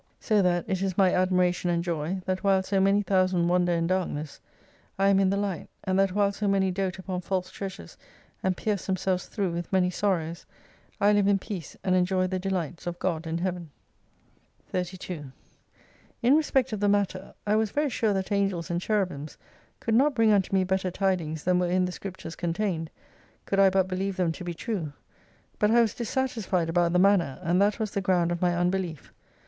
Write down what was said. So that it is my admiration and joy, that while so many thousand wander in Darkness, I am in the Light, and that while so many dote upon false treasures and pierce them selves through with many sorrows, I live in peace, and enjoy the delights of God and Heaven. 32 In respect of the matter, I was very sure that Angels and Cherubims could not bring unto me better tidings than were in the Scriptures contained, could I but believe them to be true, but I was dissatisfied about the manner, and that was the ground of my unbelief.